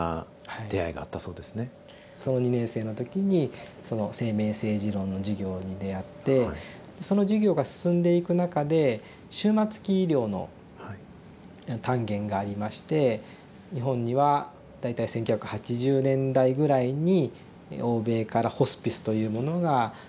２年生の時に生命政治論の授業に出会ってその授業が進んでいく中で終末期医療の単元がありまして日本には大体１９８０年代ぐらいに欧米からホスピスというものが入ってきて。